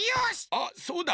あっそうだ。